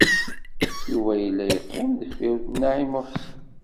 Yuba yella yeqqim deffir n Naɛima u Ḥsen.